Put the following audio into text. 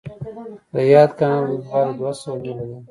د یاد کانال اوږدوالی دوه سوه میله و.